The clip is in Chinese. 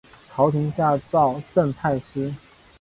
朝廷下诏赠太师。